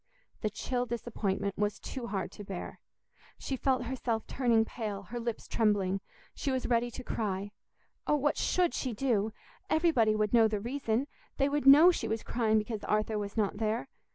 The chill disappointment was too hard to bear. She felt herself turning pale, her lips trembling; she was ready to cry. Oh, what should she do? Everybody would know the reason; they would know she was crying because Arthur was not there.